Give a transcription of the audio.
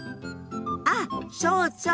あっそうそう！